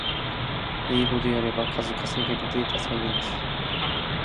英語でやれば数稼げるデータサイエンス